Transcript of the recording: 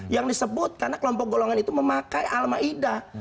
yang disebut karena kelompok golongan itu memakai al ma'idah